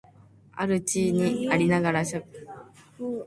ある地位にありながら職責を果たさず、無駄に禄をもらっていること。また、その人。